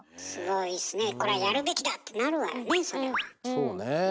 そうね。